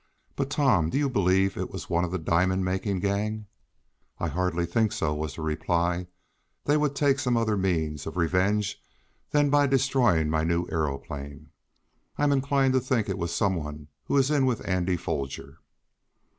But, Tom, do you believe it was one of the diamond making gang?" "I hardly think so," was the reply. "They would take some other means of revenge than by destroying my new aeroplane. I'm inclined to think it was some one who is in with Andy Foger."